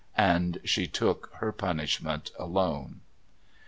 And she took her punishment alone.